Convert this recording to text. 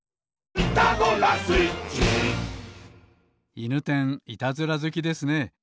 いぬてんいたずらずきですね。